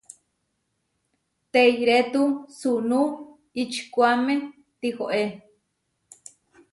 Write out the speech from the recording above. Teirétu sunú ičikuáme tihoé.